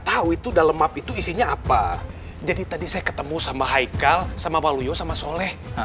tahu itu dalem map itu isinya apa jadi tadi saya ketemu sama haikal sama waluyo sama soleh